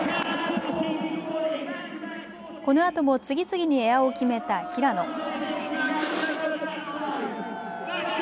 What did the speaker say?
このあとも次々にエアを決めた平野。